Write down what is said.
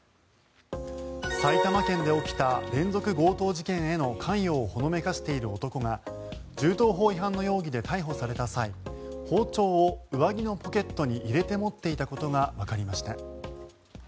埼玉県で起きた連続強盗事件への関与をほのめかしている男が銃刀法違反の容疑で逮捕された際包丁を上着のポケットに入れて持っていたことがわかりました。